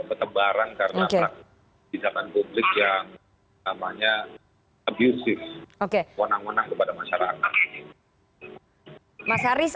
akhirnya p wegak warga pembatasan ini terkait khususingan yang adik dan pemburu isu